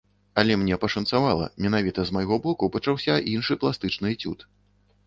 Але мне пашанцавала, менавіта з майго боку пачаўся іншы пластычны эцюд.